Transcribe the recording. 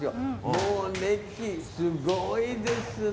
もう熱気すごいですね。